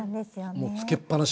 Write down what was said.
もうつけっ放し。